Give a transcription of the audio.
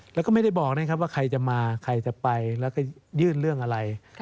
แล้วก็ไม่ได้บอกนะครับว่าใครจะมาใครจะไปแล้วก็ยื่นเรื่องอะไร